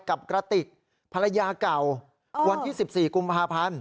กระติกภรรยาเก่าวันที่๑๔กุมภาพันธ์